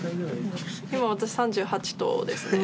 今私３８頭ですね。